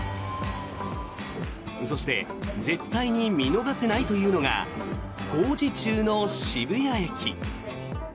そして絶対に見逃せないというのが工事中の渋谷駅。